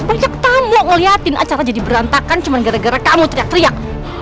banyak tamu ngeliatin acara jadi berantakan cuman gara gara kamu teriak teriak